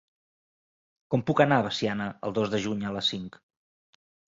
Com puc anar a Veciana el dos de juny a les cinc?